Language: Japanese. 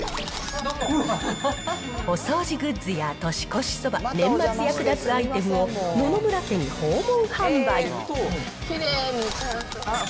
お掃除グッズや年越しそば、年末役立つアイテムを野々村家に訪問販売。